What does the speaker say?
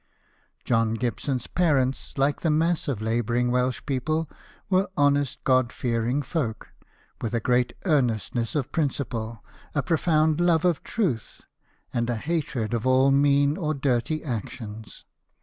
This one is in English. John Gibson's parents, like the mass of labouring Welsh people, were honest, God fearing folk, with a great earnestness of principle, a profound love of truth, and a hatred of all mean or dirty actions.